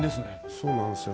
そうなんですよ